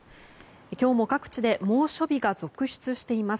今日も各地で猛暑日が続出しています。